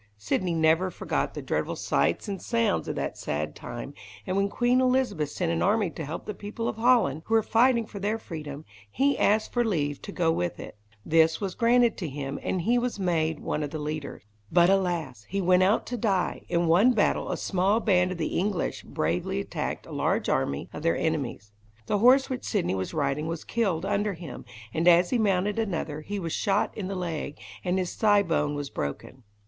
Sidney never forgot the dreadful sights and sounds of that sad time, and when Queen Elizabeth sent an army to help the people of Holland, who were fighting for their freedom, he asked for leave to go with it. This was granted to him, and he was made one of the leaders. [Illustration: MARTYRED FOR PRAYING°] But alas! he went out to die. In one battle, a small band of the English bravely attacked a large army of their enemies. The horse which Sidney was riding was killed under him, and as he mounted another, he was shot in the leg, and his thigh bone was broken.